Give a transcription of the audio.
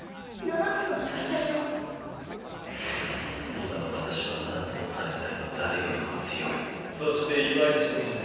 今の私は七つの大罪の誰よりも強いそしていま一度言お